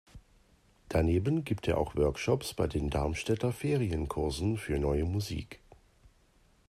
Daneben gibt er auch Workshops bei den Darmstädter Ferienkursen für Neue Musik.